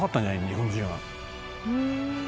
「日本人は」